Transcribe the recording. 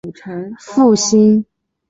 复兴公园原址为顾家宅村。